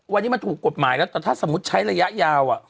วันนี้มันถูกกฎหมายแล้วแต่ถ้าสมมุติใช้ระยะยาว